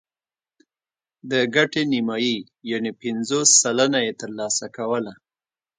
د ګټې نیمايي یعنې پنځوس سلنه یې ترلاسه کوله.